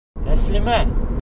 Тәслимә!